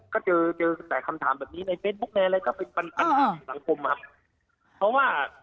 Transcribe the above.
ก็เจอเจอแต่คำถามแบบนี้ในเฟซบุ๊กในอะไรก็เป็นปัญหาสังคมครับเพราะว่า